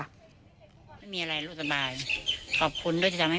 ผมคืออยากจะมาสอบถามแม่